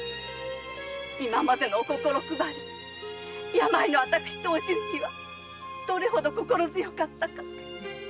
今までのお心配り病の私とお順にはどれほど心強かったか。